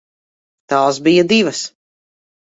Tās bija divas.